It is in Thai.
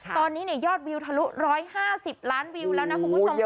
ตอนนี้ยอดวิวทะลุ๑๕๐ล้านวิวแล้วนะคุณผู้ชมค่ะ